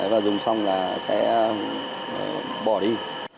và dùng xong là sẽ bỏ đi